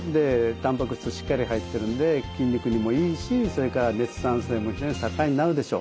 たんぱく質しっかり入ってるんで筋肉にもいいしそれから熱産生も非常に盛んになるでしょう。